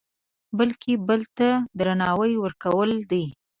بلکې بل ته درناوی ورکول دي.